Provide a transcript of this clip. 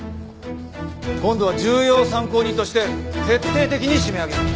今度は重要参考人として徹底的に締め上げるんだ。